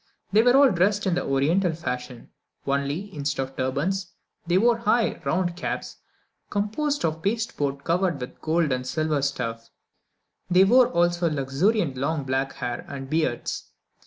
They were all dressed in the Oriental fashion, only, instead of turbans, they wore high, round caps, composed of pasteboard covered with gold or silver stuff. They wore also luxuriant long black hair, and beards.